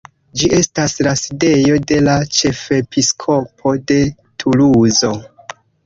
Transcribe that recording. Ĝi estas la sidejo de la Ĉefepiskopo de Tuluzo.